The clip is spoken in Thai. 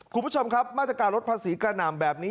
คุณผู้ชมครับมาตรการลดภาษีกระหน่ำแบบนี้